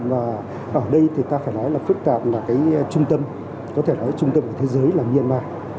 và ở đây thì ta phải nói là phức tạp là cái trung tâm có thể nói trung tâm của thế giới là myanmar